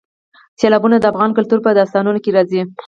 سیلابونه د افغان کلتور په داستانونو کې راځي.